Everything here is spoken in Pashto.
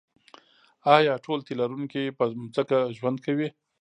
ایا ټول تی لرونکي په ځمکه ژوند کوي